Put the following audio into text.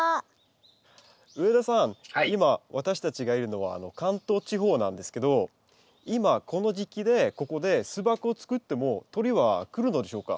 今私たちがいるのは関東地方なんですけど今この時期でここで巣箱を作っても鳥は来るのでしょうか？